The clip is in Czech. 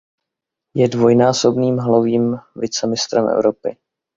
Je dvojnásobným halovým vicemistrem Evropy.